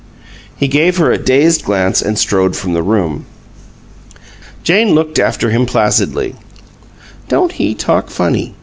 He gave her a dazed glance and strode from the room. Jane looked after him placidly. "Didn't he talk funny!"